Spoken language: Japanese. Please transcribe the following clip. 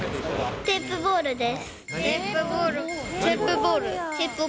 テープボールです。